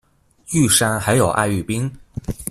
玉山還有愛玉冰